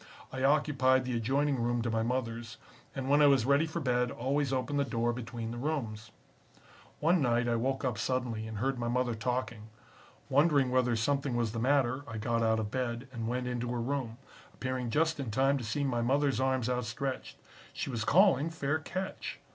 I occupied the adjoining room to my mother's, and when I was ready for bed always opened the door between the rooms. "One night I woke up suddenly and heard my mother talking. Wondering whether something was the matter, I got out of bed and went into her room, appearing just in time to see my mothers arms outstretched. She was calling 'Fair catch.'